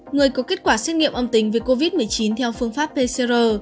người có kết quả xét nghiệm âm tính với covid một mươi chín theo phương pháp pcr